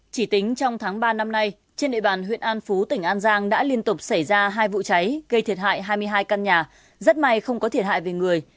chỉ tính trong tháng ba năm nay trên địa bàn huyện an phú tỉnh an giang đã liên tục xảy ra hai vụ cháy gây thiệt hại hai mươi hai căn nhà rất may không có thiệt hại về người